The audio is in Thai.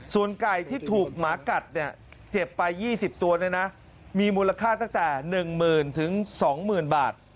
ส่วนไก่ที่ถูกหมากัดเจ็บไป๒๐ตัวมีมูลค่าตั้งแต่๑๐๐๐๒๐๐๐บาท